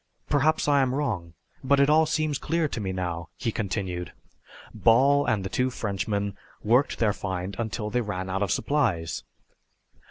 "Perhaps I am wrong, but it all seems clear to me now," he continued. "Ball and the two Frenchmen worked their find until they ran out of supplies.